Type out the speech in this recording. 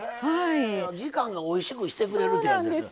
時間がおいしくしてくれるというやつ。